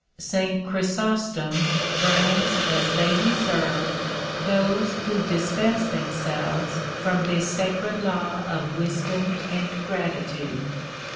} St. Chrysostom brands as they deserve, those who dispense themselves from this sacred law of wisdom and gratitude.